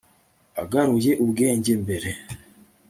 agaruye ubwenge mbere